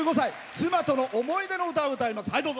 妻との思い出の歌を歌います。